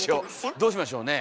どうしましょうね。